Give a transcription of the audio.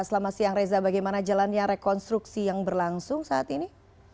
selamat siang reza bagaimana jalannya rekonstruksi yang berlangsung saat ini